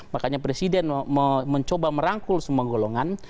makanya presiden mencoba merangkul semua golongan